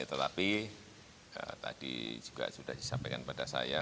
tetapi tadi juga sudah disampaikan pada saya